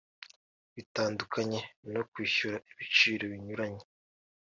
bitandukanye no kwishyuza ibiciro binyuranye